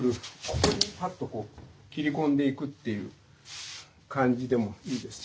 ここにパッとこう切り込んでいくという感じでもいいですし